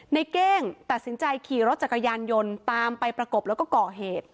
เก้งตัดสินใจขี่รถจักรยานยนต์ตามไปประกบแล้วก็ก่อเหตุ